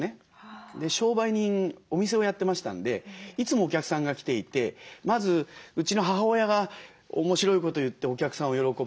商売人お店をやってましたんでいつもお客さんが来ていてまずうちの母親が面白いことを言ってお客さんを喜ばせる。